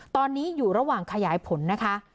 ตอนนี้อยู่ระหว่างขยายผลนะคะ